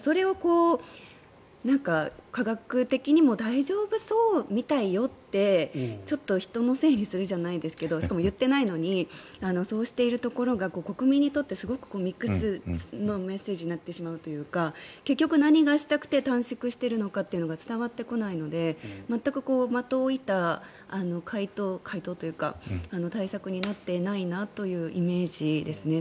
それを科学的にも大丈夫そうみたいよってちょっと人のせいにするじゃないですけどしかも言ってないのにそうしているところが国民にとってすごくミックスのメッセージになってしまうというか結局、何がしたくて短縮しているのかが伝わってこないので全く的を射た回答というか対策になっていないなというイメージですね。